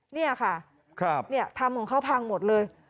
นี่ค่ะทำของเขาพังหมดเลย